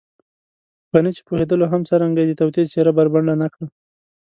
غني چې پوهېدلو هم څرنګه يې د توطیې څېره بربنډه نه کړه.